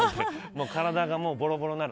体がボロボロになる。